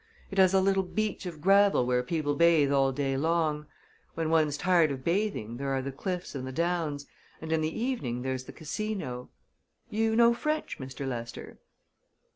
It has a little beach of gravel where people bathe all day long. When one's tired of bathing, there are the cliffs and the downs, and in the evening there's the casino. You know French, Mr. Lester?"